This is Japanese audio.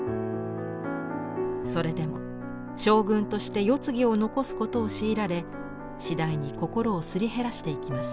それでも将軍として世継ぎを残すことを強いられ次第に心をすり減らしていきます。